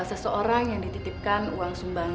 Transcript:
seseorang yang dititipkan dengan amanah yang telah hilang